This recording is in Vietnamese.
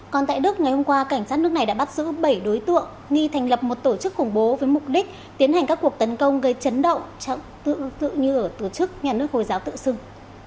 còn tại đức ngày hôm qua cảnh sát nước này đã bắt giữ bảy đối tượng nghi thành lập một tổ chức khủng bố với mục đích tiến hành các cuộc tấn công gây chấn động tự như ở tổ chức nhà nước hồi giáo tự xưng